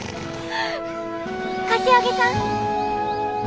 柏木さん！